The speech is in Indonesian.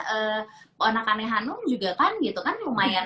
anak anaknya hanum juga kan gitu kan lumayan